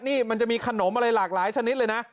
นี่มันจะมีขนมอะไรหลากหลายชนิดเลยนะ